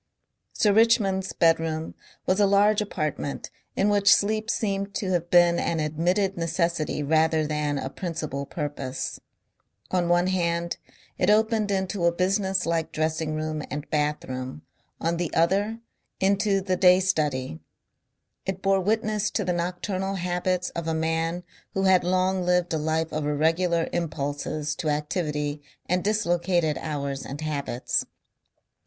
Sir Richmond's bedroom was a large apartment in which sleep seemed to have been an admitted necessity rather than a principal purpose. On one hand it opened into a business like dressing and bath room, on the other into the day study. It bore witness to the nocturnal habits of a man who had long lived a life of irregular impulses to activity and dislocated hours and habits.